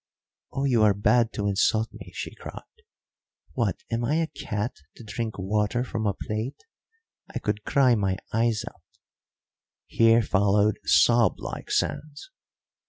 "Oh, you are bad to insult me!" she cried. "What, am I a cat to drink water from a plate? I could cry my eyes out"; here followed sob like sounds.